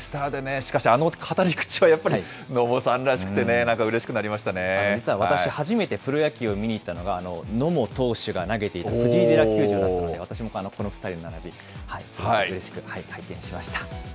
しかし、あの語り口はやっぱり野茂さんらしくてね、なんかうれし実は私、初めてプロ野球を見に行ったのが、野茂投手が投げていた藤井寺球場だったので、私もこの２人の姿、すごくうれしく拝見しました。